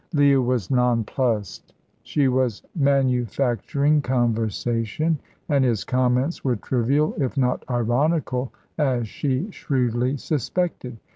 Leah was nonplussed. She was manufacturing conversation, and his comments were trivial, if not ironical, as she shrewdly suspected.